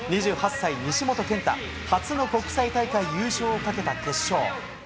２８歳、西本拳太、初の国際大会優勝をかけた決勝。